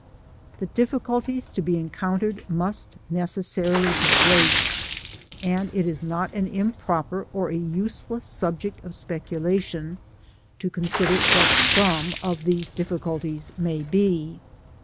The difficulties to be encountered must neces sarily be great, and it is not an improper or a use* less subject of speculation, to consider what some of these difficulties may be.